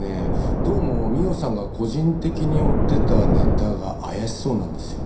どうも美緒さんが個人的に追ってたネタが怪しそうなんですよね。